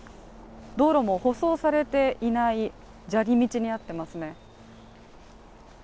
道路も舗装されていない砂利道になってますね